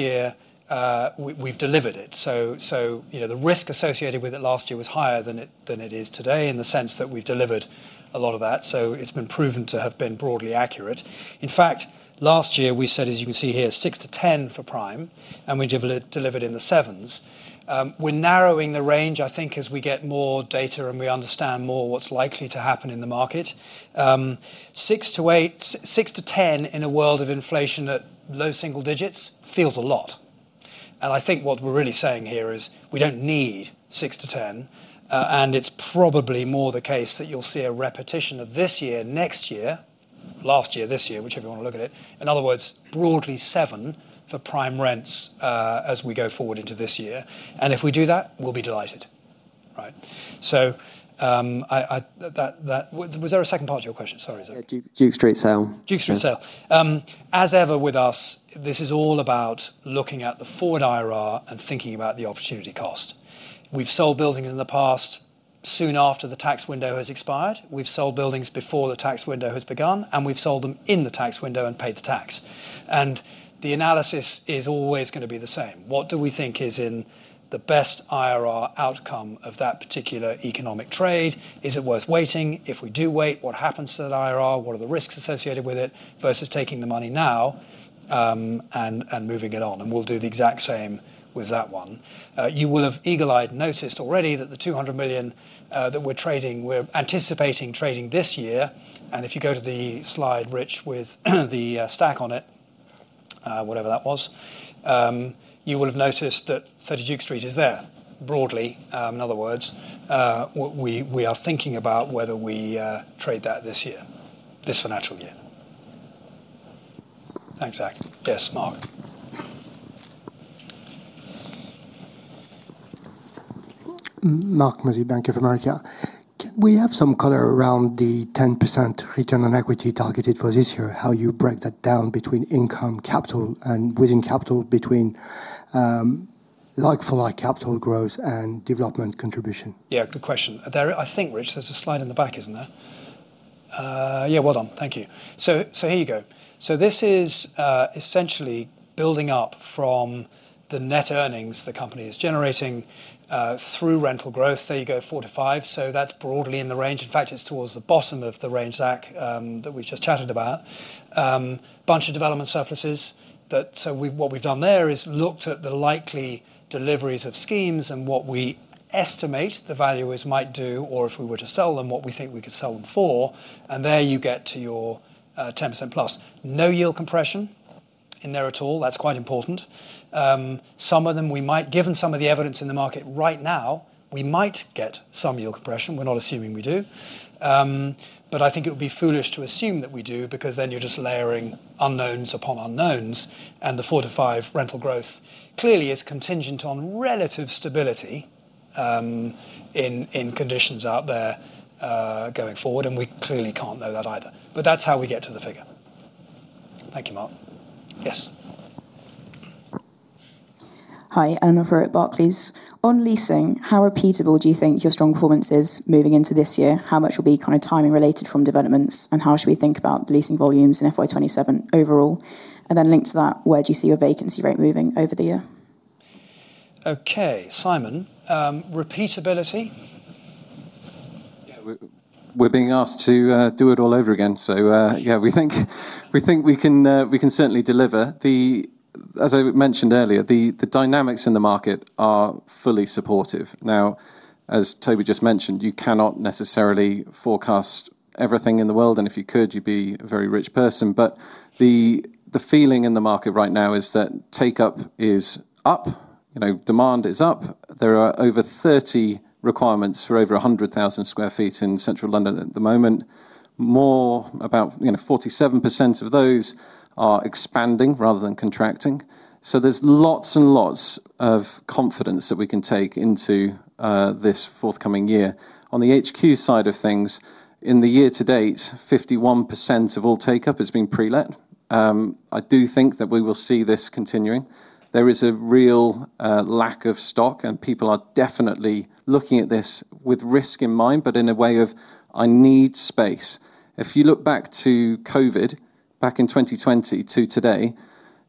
year, we've delivered it. The risk associated with it last year was higher than it is today in the sense that we've delivered a lot of that. It's been proven to have been broadly accurate. In fact, last year, we said, as you can see here, 6%-10% for Prime, and we delivered in the 7s. We're narrowing the range, I think, as we get more data and we understand more what's likely to happen in the market. 6%-10% in a world of inflation at low single digits feels a lot. I think what we're really saying here is we don't need 6%-10%, and it's probably more the case that you'll see a repetition of this year, next year, last year, this year, whichever you want to look at it. In other words, broadly 7% for prime rents as we go forward into this year. If we do that, we'll be delighted. Right. Was there a second part to your question? Sorry, Zachary Gauge. Yeah. Duke Street sale. Duke Street sale. As ever with us, this is all about looking at the forward IRR and thinking about the opportunity cost. We've sold buildings in the past soon after the tax window has expired. We've sold buildings before the tax window has begun, and we've sold them in the tax window and paid the tax. The analysis is always going to be the same. What do we think is in the best IRR outcome of that particular economic trade? Is it worth waiting? If we do wait, what happens to that IRR? What are the risks associated with it versus taking the money now and moving it on? We'll do the exact same with that one. You will have eagle-eyed noticed already that the 200 million that we're anticipating trading this year. If you go to the slide, Rich, with the stack on it, whatever that was, you will have noticed that 30 Duke Street is there broadly. In other words, we are thinking about whether we trade that this year, this financial year. Thanks, Zach. Yes, Marc. Marc Mozzi, Bank of America. Can we have some color around the 10% return on equity targeted for this year? How you break that down between income capital and within capital between like capital growth and development contribution? Yeah, good question. I think, Rich, there's a slide in the back, isn't there? Yeah, well done. Thank you. Here you go. This is essentially building up from the net earnings the company is generating through rental growth. There you go, 4%-5%. That's broadly in the range. In fact, it's towards the bottom of the range, Zach, that we just chatted about. Bunch of development surpluses. What we've done there is looked at the likely deliveries of schemes and what we estimate the valuers might do, or if we were to sell them, what we think we could sell them for, and there you get to your 10%+. No yield compression in there at all. That's quite important. Given some of the evidence in the market right now, we might get some yield compression. We're not assuming we do. I think it would be foolish to assume that we do, because then you're just layering unknowns upon unknowns, and the 4%-5% rental growth clearly is contingent on relative stability in conditions out there going forward, and we clearly can't know that either. That's how we get to the figure. Thank you, Marc. Yes. Hi, Eleanor here at Barclays. On leasing, how repeatable do you think your strong performance is moving into this year? How much will be timing related from developments, and how should we think about the leasing volumes in FY 2027 overall? Linked to that, where do you see your vacancy rate moving over the year? Okay. Simon, repeatability? We are being asked to do it all over again. We think we can certainly deliver. As I mentioned earlier, the dynamics in the market are fully supportive. As Toby just mentioned, you cannot necessarily forecast everything in the world, and if you could, you would be a very rich person. The feeling in the market right now is that take-up is up, demand is up. There are over 30 requirements for over 100,000 sq ft in Central London at the moment. About 47% of those are expanding rather than contracting. There is lots and lots of confidence that we can take into this forthcoming year. On the HQ side of things, in the year to date, 51% of all take-up has been pre-let. I do think that we will see this continuing. There is a real lack of stock, and people are definitely looking at this with risk in mind, but in a way of, "I need space." If you look back to COVID, back in 2020 to today,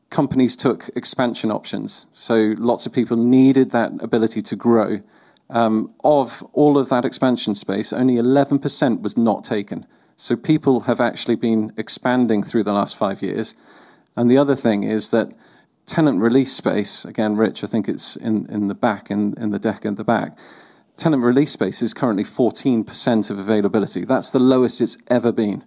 companies took expansion options. Lots of people needed that ability to grow. Of all of that expansion space, only 11% was not taken. People have actually been expanding through the last 5 years. The other thing is that tenant release space, again, Rich, I think it's in the deck at the back. Tenant release space is currently 14% of availability. That's the lowest it's ever been.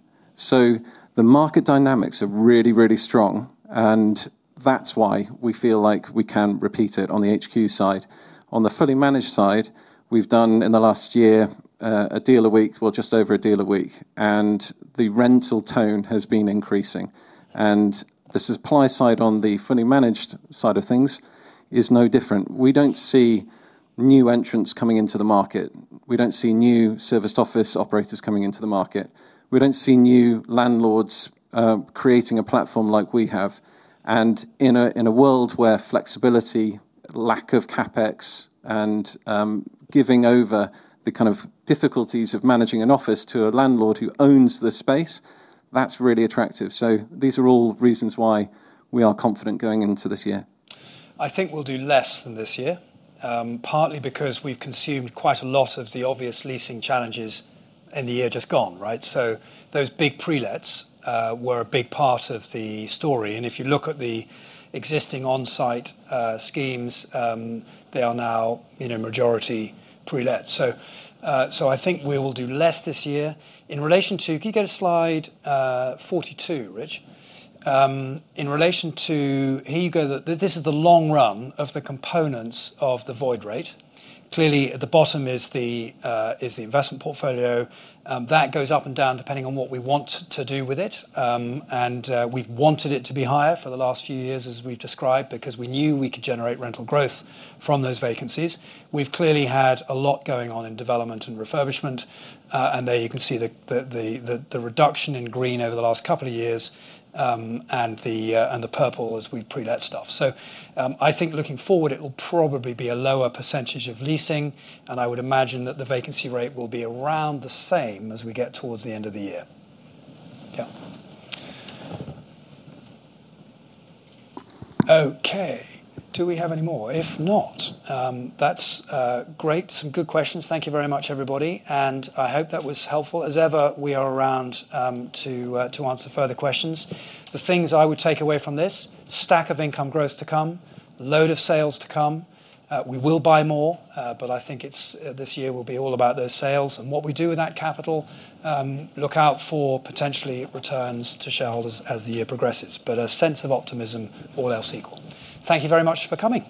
The market dynamics are really, really strong, and that's why we feel like we can repeat it on the HQ side. On the fully managed side, we've done, in the last year, one deal a week. Just over one deal a week, and the rental tone has been increasing, and the supply side on the fully managed side of things is no different. We don't see new entrants coming into the market. We don't see new serviced office operators coming into the market. We don't see new landlords creating a platform like we have. In a world where flexibility, lack of CapEx, and giving over the kind of difficulties of managing an office to a landlord who owns the space, that's really attractive. These are all reasons why we are confident going into this year. I think we'll do less than this year, partly because we've consumed quite a lot of the obvious leasing challenges in the year just gone. Right? Those big pre-lets were a big part of the story, and if you look at the existing on-site schemes, they are now majority pre-let. I think we will do less this year. Can you go to slide 42, Rich? Here you go. This is the long run of the components of the void rate. Clearly, at the bottom is the investment portfolio. That goes up and down depending on what we want to do with it, and we've wanted it to be higher for the last few years, as we've described, because we knew we could generate rental growth from those vacancies. We've clearly had a lot going on in development and refurbishment, and there you can see the reduction in green over the last couple of years, and the purple as we pre-let stuff. I think looking forward, it'll probably be a lower % of leasing, and I would imagine that the vacancy rate will be around the same as we get towards the end of the year. Yeah. Okay, do we have any more? If not, that's great. Some good questions. Thank you very much, everybody, and I hope that was helpful. As ever, we are around to answer further questions. The things I would take away from this, stack of income growth to come, load of sales to come. We will buy more, but I think this year will be all about those sales and what we do with that capital. Look out for potentially returns to shareholders as the year progresses. A sense of optimism all else equal. Thank you very much for coming.